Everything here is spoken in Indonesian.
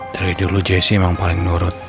dari dulu jesse memang paling nurut